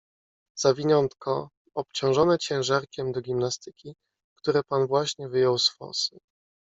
"Zawiniątko, obciążone ciężarkiem do gimnastyki, które pan właśnie wyjął z fosy."